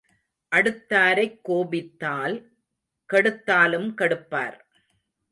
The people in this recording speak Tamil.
அடுத்தாரைக் கோபித்தால் கெடுத்தாலும் கெடுப்பார்.